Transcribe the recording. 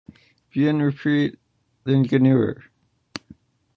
Bien, reprit l’ingénieur